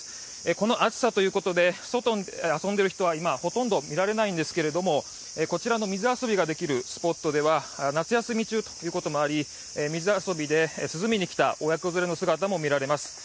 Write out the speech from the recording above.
この暑さということで外で遊んでいる人は今、ほとんど見られないんですがこちらの水遊びが出来るスポットでは、夏休み中ということもあり、水遊びで涼みに来た親子連れの姿も見られます。